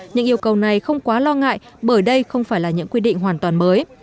những yêu cầu này không quá lo ngại bởi đây không phải là những quy định hoàn toàn mới